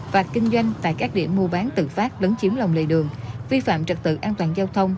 và kinh doanh tại các điểm mua bán tự phát lấn chiếm lòng lề đường vi phạm trật tự an toàn giao thông